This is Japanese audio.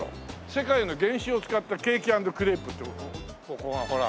「世界の原酒を使ったケーキ＆クレープ」ってここがほら。